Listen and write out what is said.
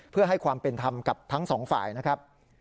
เพื่อให้ความเป็นธรรมกับทั้งสองฝ่ายนะครับ